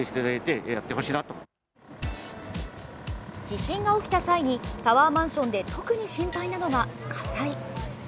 地震が起きた際にタワーマンションで特に心配なのが、火災。